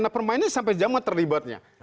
nah pemainnya sampai zaman terlibatnya